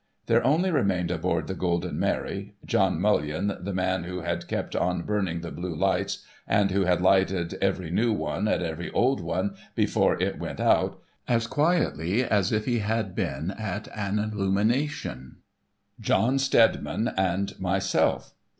There only remained aboard the Golden Mary, John Mullion the man who had kept on burning the blue lights (and who had lighted every new one at every old one before it went out, as quietly as if 128 THE WRECK OF THE GOLDEN MARY hf had been at an illumination) ; John Steadiman ; and myself.